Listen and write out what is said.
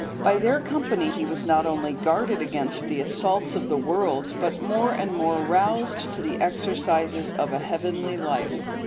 By their company he was not only guarded against the assaults of the world, but more and more roused to the exercises of a heavenly life.